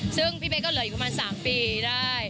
ซึ่งพี่เบ๊ก็เหลืออีกประมาณ๓ปีได้